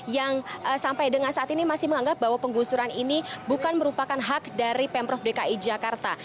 yang sampai dengan saat ini masih menganggap bahwa penggusuran ini bukan merupakan hak dari pemprov dki jakarta